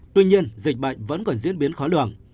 tuy nhiên dịch bệnh vẫn còn diễn biến khó lường